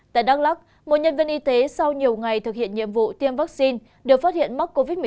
tại đắk lắc một nhân viên y tế sau nhiều ngày thực hiện nhiệm vụ tiêm vaccine được phát hiện mắc covid một mươi chín